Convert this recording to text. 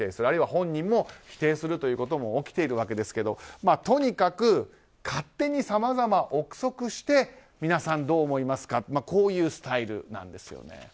あるいは本人も否定するということも起きているわけですけどとにかく勝手にさまざま憶測して皆さん、どう思いますかこういうスタイルなんですよね。